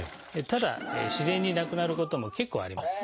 ただ自然になくなることも結構あります。